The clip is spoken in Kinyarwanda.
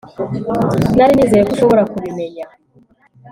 nari nizeye ko ushobora kubimenya